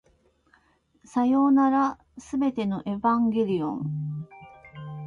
さようなら、全てのエヴァンゲリオン